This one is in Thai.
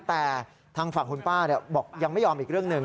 แต่ทางฝั่งคุณป้าบอกยังไม่ยอมอีกเรื่องหนึ่ง